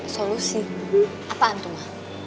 solusi apaan tuh ma